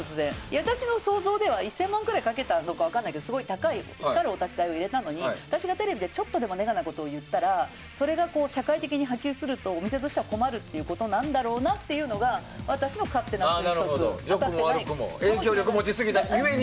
私の想像では１０００万くらいかけたかどうか分からないけどすごい高い光るお立ち台を入れたのに、私がテレビでちょっとでもネガなことを言ったら社会的に波及するとお店としては困るということなんだろうな影響力を持ちすぎた故に。